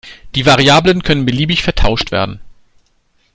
Die Variablen können beliebig vertauscht werden.